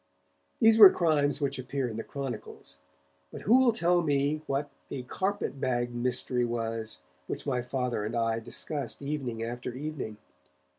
These were crimes which appear in the chronicles. But who will tell me what 'the Carpet bag Mystery' was, which my Father and I discussed evening after evening?